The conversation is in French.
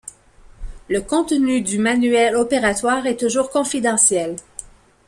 Le contenu du manuel opératoire est toujours confidentiel.